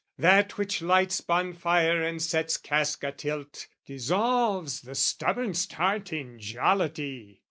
That which lights bonfire and sets cask a tilt, Dissolves the stubborn'st heart in jollity.